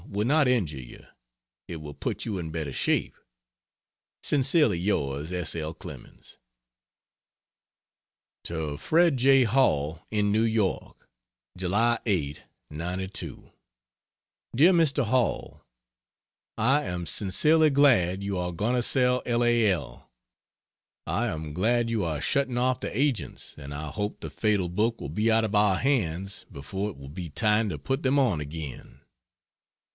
will not injure you it will put you in better shape. Sincerely Yours S. L. CLEMENS. To Fred J. Hall, in New York: July 8, '92. DEAR MR. HALL, I am sincerely glad you are going to sell L. A. L. I am glad you are shutting off the agents, and I hope the fatal book will be out of our hands before it will be time to put them on again.